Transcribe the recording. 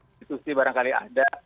institusi barangkali ada